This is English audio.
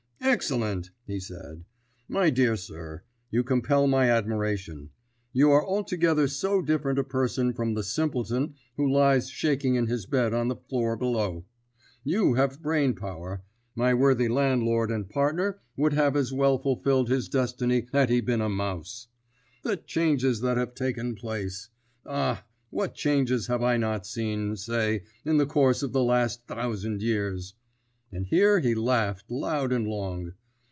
"Excellent," he said. "My dear sir, you compel my admiration; you are altogether so different a person from the simpleton who lies shaking in his bed on the floor below. You have brain power. My worthy landlord and partner would have as well fulfilled his destiny had he been a mouse. The changes that have taken place! Ah, what changes have I not seen, say, in the course of the last thousand years!" And here he laughed loud and long.